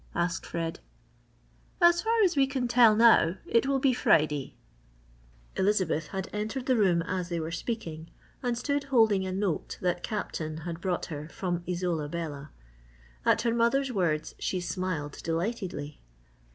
asked Fred. "As far as we can tell now, it will be Friday." Elizabeth had entered the room as they were speaking, and stood holding a note the Captain had brought her from Isola Bella. At her mother's words she smiled delightedly.